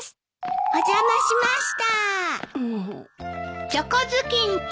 お邪魔しました。